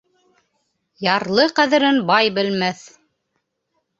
Ярлы ҡәҙерен бай белмәҫ.